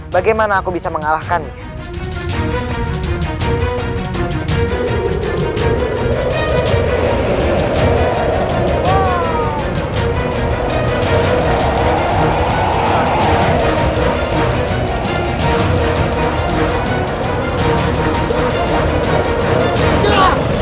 bagaimana aku bisa mengalahkannya